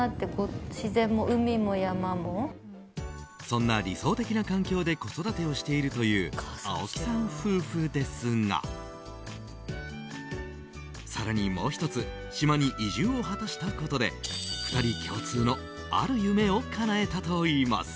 そんな理想的な環境で子育てをしているという青木さん夫婦ですが更に、もう１つ島に移住を果たしたことで２人共通のある夢をかなえたといいます。